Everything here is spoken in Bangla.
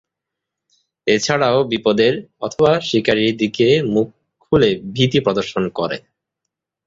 এছাড়াও বিপদের/শিকারির দিকে মুখ খুলে ভীতি প্রদর্শন করে।